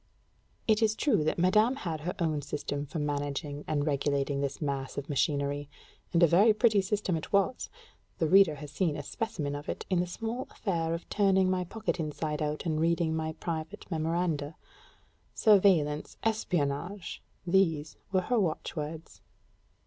It is true that madame had her own system for managing and regulating this mass of machinery; and a very pretty system it was: the reader has seen a specimen of it in that small affair of turning my pocket inside out and reading my private memoranda. Surveillance, espionnage, these were her watchwords.